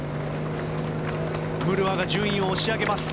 ムルワが順位を押し上げます。